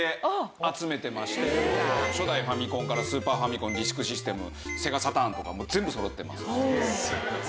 初代ファミコンからスーパーファミコンディスクシステムセガサターンとか全部そろってます。